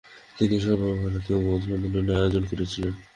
তিনি একটি সর্বভারতীয় বৌদ্ধ সম্মেলনের আয়োজন করেছিলেন।